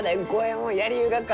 のうやりゆうがか。